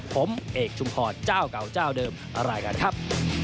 ผมเอกชุมพรเจ้าเก่าเจ้าเดิมอะไรกันครับ